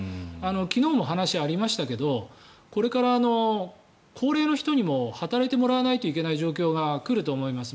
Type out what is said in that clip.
昨日も話がありましたけどこれから高齢の人にも働いてもらわないといけない状況が来ると思います。